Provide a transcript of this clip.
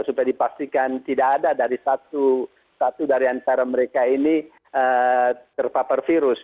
supaya dipastikan tidak ada dari satu dari antara mereka ini terpapar virus